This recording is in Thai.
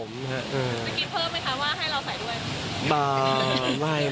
เมื่อกี้เพิ่มไหมคะว่าให้เราใส่ด้วย